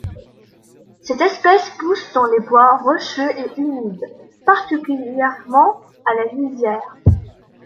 Cette espèce pousse dans les bois rocheux et humides, particulièrement à la lisière.